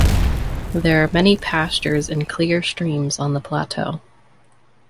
There are many pastures and clear streams on the plateau.